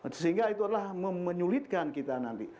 sehingga itu adalah menyulitkan kita nanti